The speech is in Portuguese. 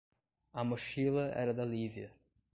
A mochila era da Lívia.